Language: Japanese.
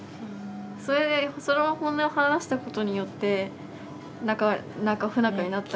それでその本音を話したことによってなんか不仲になったりとか。